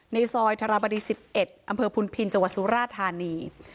ในซอยธรบดี๑๑อำเภอพุนพินจังหวัดสุราธานี